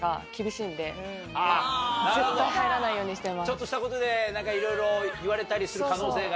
ちょっとしたことで何かいろいろ言われたりする可能性が。